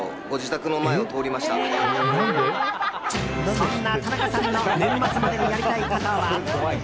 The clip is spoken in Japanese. そんな田中さんの年末までにやりたいことは。